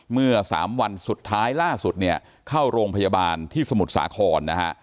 เมื่อสามวันสุดท้ายล่าสุดเนี่ยเข้าโรงพยาบาลที่สมุทรสาครนะฮะ